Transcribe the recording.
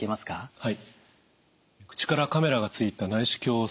はい。